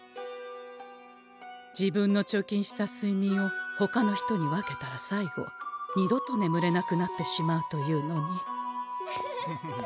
自分の貯金したすいみんをほかの人に分けたら最後二度と眠れなくなってしまうというのに。